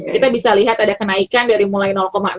kita bisa lihat ada kenaikan dari mulai enam